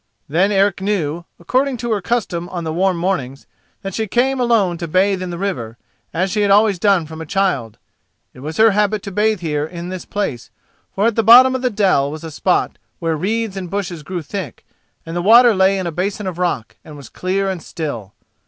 Then Eric knew, according to her custom on the warm mornings, that she came alone to bathe in the river, as she had always done from a child. It was her habit to bathe here in this place: for at the bottom of the dell was a spot where reeds and bushes grew thick, and the water lay in a basin of rock and was clear and still.